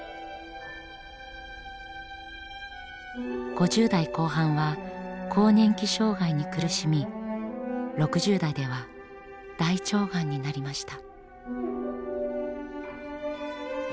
５０代後半は更年期障害に苦しみ６０代では大腸がんになりました。